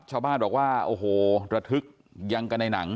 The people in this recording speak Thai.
ชาวบ้านบอกว่าโอ้โหระทึกยังกันในหนัง